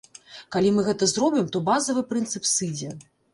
Калі мы гэта зробім, то базавы прынцып сыдзе!